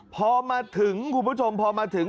พอมาถึงคุณผู้ชมพอมาถึง